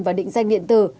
và định danh điện tử